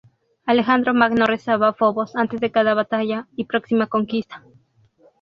Alejandro Magno rezaba a Fobos antes de cada batalla y proxima conquista.